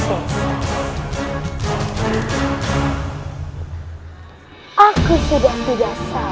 jadi membetulkan ini akan mengatakan bahwa